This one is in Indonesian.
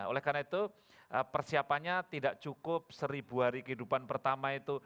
oleh karena itu persiapannya tidak cukup seribu hari kehidupan pertama itu